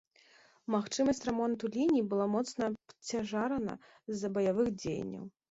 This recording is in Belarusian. Магчымасць рамонту ліній была моцна абцяжарана з-за баявых дзеянняў.